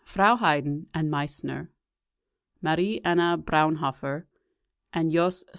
Frau Haydn and Meissner, Marie Anna Braunhofer and Jos.